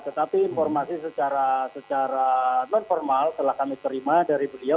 tetapi informasi secara non formal telah kami terima dari beliau